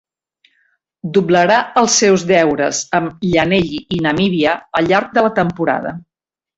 Doblarà els seus deures amb Llanelli i Namíbia al llarg de la temporada.